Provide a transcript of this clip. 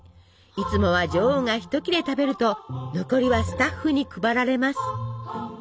いつもは女王が一切れ食べると残りはスタッフに配られます。